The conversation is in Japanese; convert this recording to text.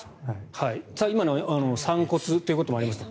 今の散骨ということもありました。